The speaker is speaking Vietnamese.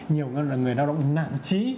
nhiều người lao động nạn trí